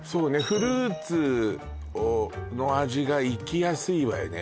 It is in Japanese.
フルーツの味が生きやすいわよね